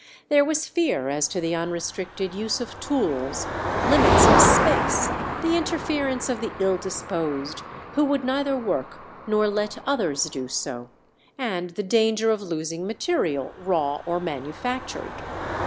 There was fear as to the unrestricted use of tools, limits of space, the interference of the ill disposed, who would neither work nor let others do so, and the danger of losing material, raw or manufactured.